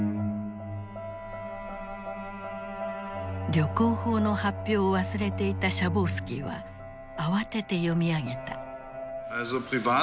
旅行法の発表を忘れていたシャボウスキーは慌てて読み上げた。